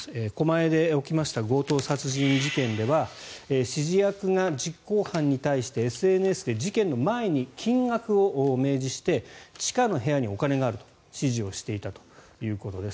狛江で起きました強盗殺人事件では指示役が実行犯に対してＳＮＳで事件の前に金額を明示して地下の部屋にお金があると指示をしていたということです。